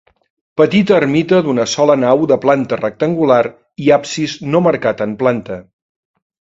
Petita ermita d'una sola nau de planta rectangular i absis no marcat en planta.